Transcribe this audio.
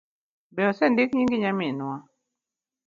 Be osendik nyingi nyaminwa?